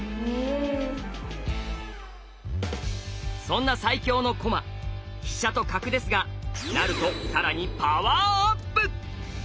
そんな最強の駒飛車と角ですが成ると更にパワーアップ！